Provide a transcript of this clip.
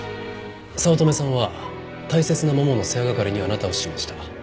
早乙女さんは大切なももの世話係にあなたを指名した。